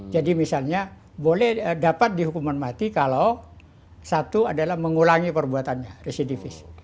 jadi misalnya boleh dapat dihukuman mati kalau satu adalah mengulangi perbuatannya residivis